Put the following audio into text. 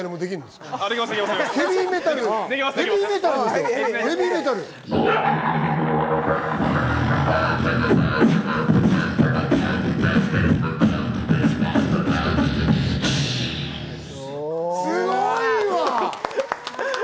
すごいわ！